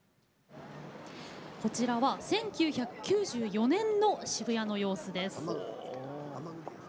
こちら１９９４年の渋谷の様子です。